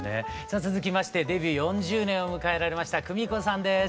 さあ続きましてデビュー４０年を迎えられましたクミコさんです。